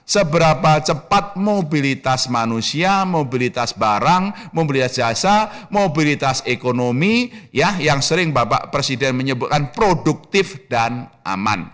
seberapa cepat mobilitas manusia mobilitas barang membeli jasa mobilitas ekonomi yang sering bapak presiden menyebutkan produktif dan aman